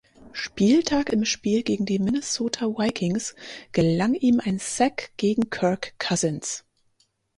Spieltag im Spiel gegen die Minnesota Vikings gelang ihm ein Sack gegen Kirk Cousins.